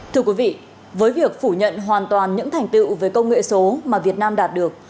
thưa quý vị với việc phủ nhận hoàn toàn những thành tựu về công nghệ số mà việt nam đạt được